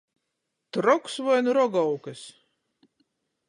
Troks voi nu Rogovkys!